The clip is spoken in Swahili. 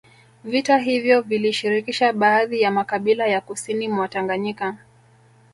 Vita hivyo vilishirikisha baadhi ya makabila ya kusini mwa Tanganyika